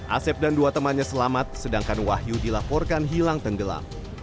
asep dan dua temannya selamat sedangkan wahyu dilaporkan hilang tenggelam